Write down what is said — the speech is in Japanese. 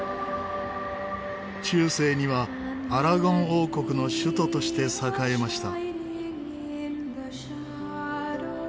中世にはアラゴン王国の首都として栄えました。